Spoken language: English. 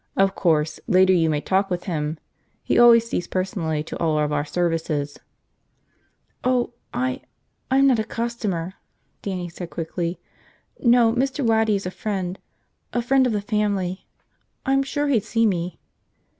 "Of course, later you may talk with him. He always sees personally to all of our services." "Oh, I – I'm not a customer!" Dannie said quickly. "No, Mr. Waddy is a friend – a friend of the family. I'm sure he'd see me!"